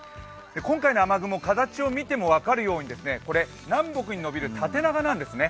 今回の雨雲、形を見ても分かるように南北にのびる縦長なんですね。